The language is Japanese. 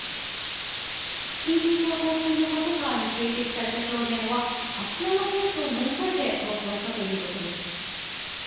緊急走行中のパトカーに追跡された少年はあちらのフェンスを乗り越えて逃走したということです。